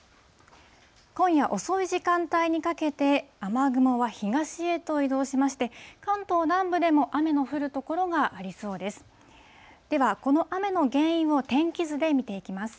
今夜遅い時間帯にかけて、雨雲は東へと移動しまして、関東南部でも雨の降る所がありそうです。